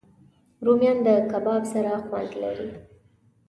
رومیان د کباب سره خوند کوي